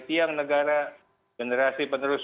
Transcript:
tiang negara generasi penerus